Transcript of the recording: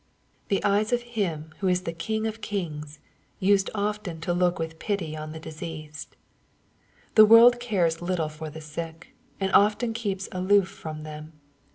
The eyes of Him who is King of kings used often to look with pity on the diseased. The world cares little for the sick, and often keeps aloof from them.